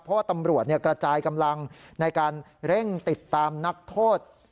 เพราะว่าตำรวจกระจายกำลังในการเร่งติดตามนักโทษ